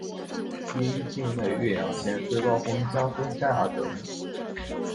因境内岳阳县最高峰相思山而得名。